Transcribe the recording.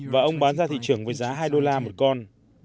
và ông bán ra thị trường với giá hai đô la một con